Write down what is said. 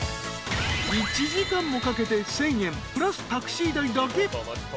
［１時間もかけて１，０００円プラスタクシー代だけ］